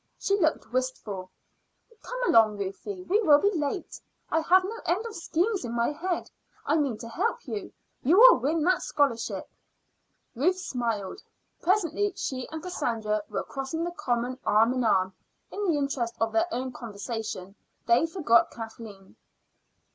She looked wistful. "Come along, Ruthie; we will be late. I have no end of schemes in my head. I mean to help you. You will win that scholarship." Ruth smiled. Presently she and Cassandra were crossing the common arm in arm. In the interest of their own conversation they forgot Kathleen.